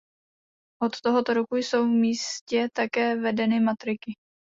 Od tohoto roku jsou v místě také vedeny matriky.